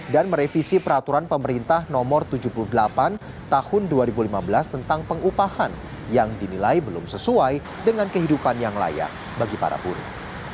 dan merevisi peraturan pemerintah no tujuh puluh delapan tahun dua ribu lima belas tentang pengupahan yang dinilai belum sesuai dengan kehidupan yang layak bagi para buruh